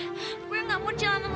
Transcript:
gue gak mau di jalanan lagi